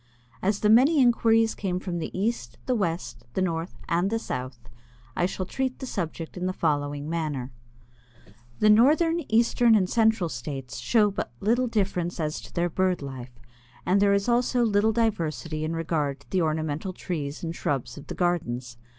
As the many inquiries came from the East, the West, the North, and the South, I shall treat the subject in the following manner: The northern, eastern, and central states show but little difference as to their bird life, and there is also little diversity in regard to the ornamental trees and shrubs of the gardens.